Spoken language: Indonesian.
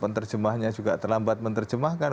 penterjemahnya juga terlambat menerjemahkan